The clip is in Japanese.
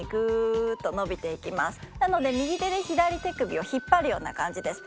なので右手で左手首を引っ張るような感じです。